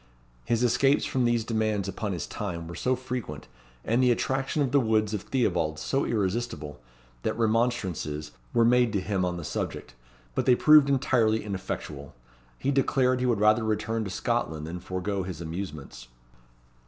His escapes from these demands upon his time were so frequent, and the attraction of the woods of Theobalds so irresistible, that remonstrances were made to him on the subject; but they proved entirely ineffectual. He declared he would rather return to Scotland than forego his amusements.